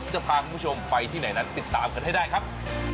จะพาคุณผู้ชมไปที่ไหนนั้นติดตามกันให้ได้ครับ